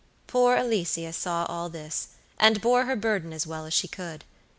Poor Alicia saw all this, and bore her burden as well as she could.